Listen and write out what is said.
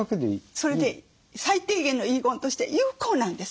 それで最低限の遺言として有効なんです。